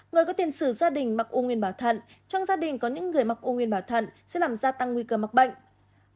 người có tiền sử gia đình mặc u nguyên bảo thận trong gia đình có những người mặc u nguyên bảo thận sẽ làm gia tăng nguy cơ mắc bệnh